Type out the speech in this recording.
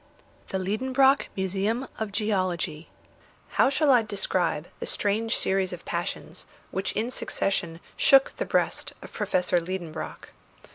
THE LIEDENBROCK MUSEUM OF GEOLOGY How shall I describe the strange series of passions which in succession shook the breast of Professor Liedenbrock?